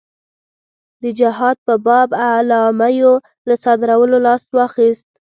د جهاد په باب اعلامیو له صادرولو لاس واخیست.